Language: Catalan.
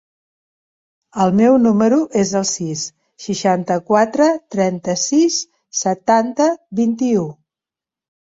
El meu número es el sis, seixanta-quatre, trenta-sis, setanta, vint-i-u.